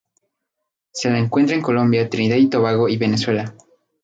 Se la encuentra en Colombia, Trinidad y Tobago, y Venezuela.